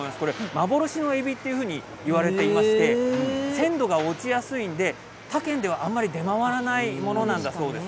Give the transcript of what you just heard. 幻のえびと言われていまして鮮度が落ちやすいので他県ではあまり出回らないものなんだそうです。